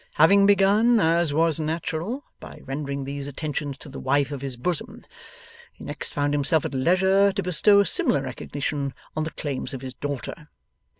Having begun (as was natural) by rendering these attentions to the wife of his bosom, he next found himself at leisure to bestow a similar recognition on the claims of his daughter.